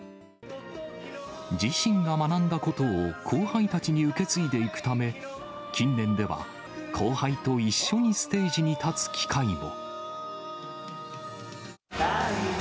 自身が学んだことを後輩たちに受け継いでいくため、近年では、後輩と一緒にステージに立つ機会も。